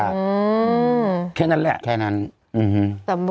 อืมแค่นั้นแหละแค่นั้นอืม